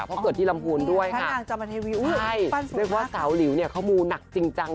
เพราะเกิดที่ลำพูนด้วยค่ะเรียกว่าสาวหลิวเนี่ยเขามูหนักจริงจัง